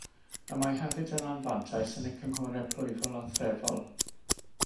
Y mae hefyd yn anfantais yn y cynghorau plwyfol a threfol.